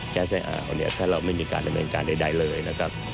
ก๊าซแหล่งอาวุธเนี่ยถ้าเราไม่มีการดำเนินการใดเลยนะครับ